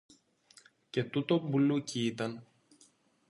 Και τούτο μπουλούκι ήταν